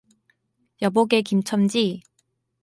여보게 김첨지